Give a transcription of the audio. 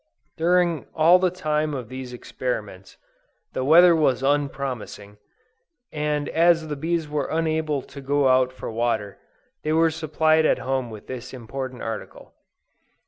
During all the time of these experiments, the weather was unpromising, and as the bees were unable to go out for water, they were supplied at home with this important article.